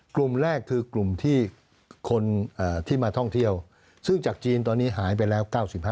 กลุ่มแรกคือกลุ่มที่คนที่มาท่องเที่ยวซึ่งจากจีนตอนนี้หายไปแล้ว๙๕